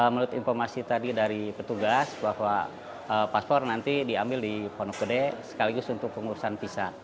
menurut informasi tadi dari petugas bahwa paspor nanti diambil di ponok gede sekaligus untuk pengurusan visa